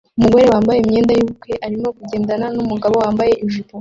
Umugore wambaye imyenda yubukwe arimo kugendana numugabo wambaye ijipo